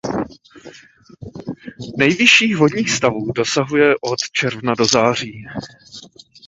Nejvyšších vodních stavů dosahuje od června do září.